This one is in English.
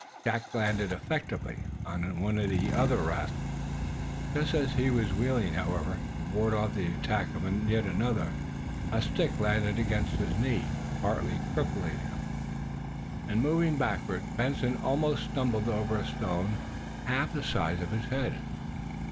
Jack landed effectively on another of the rascals. Just as he was wheeling, however, to ward off the attack of another, a stick landed against his left knee, partly crippling him. In moving backward Benson almost stumbled over a stone half the size of his head.